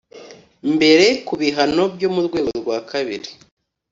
Mbere ku bihano byo mu rwego rwa kabiri